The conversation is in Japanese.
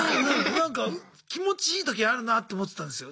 なんか気持ちいい時あるなと思ってたんですよ。